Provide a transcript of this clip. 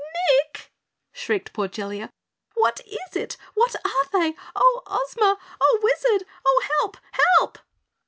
"NICK!" shrieked poor Jellia. "What is it? What are they? Oh, Ozma! Oh, Wizard! Oh, help! HELP!"